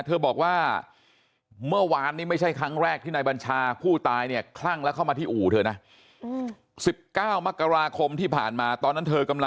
เธอบอกว่าเมื่อวานนี้ไม่ใช่ครั้งแรกที่นายบัญชาผู้ตายเนี่ยคลั่งแล้วเข้ามาที่อู่เธอนะเธอกำลัง